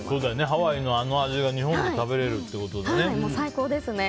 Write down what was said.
ハワイのあの味が日本で食べられるってことでね。